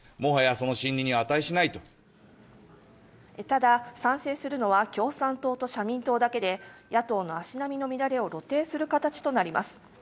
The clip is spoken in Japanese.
ただ、賛成するのは共産党と社民党だけで野党の足並みの乱れを露呈する形となります。